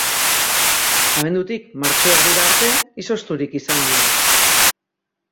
Abendutik martxo erdira arte izozturik izan ohi da.